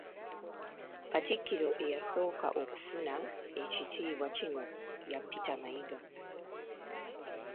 Katikkiro eyasooka okufuna ekitiibwa kino ya Peter Mayiga.